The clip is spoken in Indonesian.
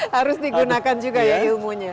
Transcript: harus digunakan juga ya ilmunya